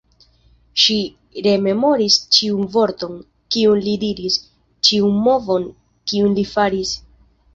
Ŝi rememoris ĉiun vorton, kiun li diris, ĉiun movon, kiun li faris.